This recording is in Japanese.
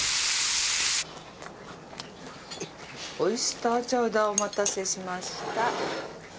オイスターチャウダーお待たせしました。